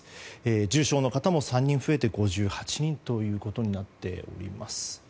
重症の方も３人増えて５８人ということになっています。